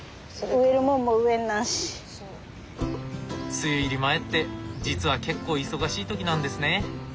梅雨入り前って実は結構忙しい時なんですね。